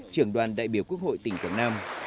trưởng đoàn đại biểu quốc hội tỉnh quảng nam